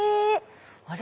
あれ？